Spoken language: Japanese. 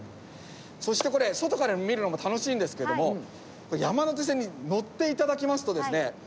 そしてこれ外から見るのも楽しいんですけども山手線に乗って頂きますとですね